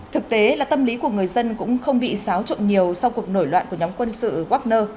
thực tế là tâm lý của người dân cũng không bị xáo trộn nhiều sau cuộc nổi loạn của nhóm quân sự wagner